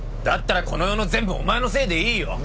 だったらこの世の全部お前のせいでいいよ！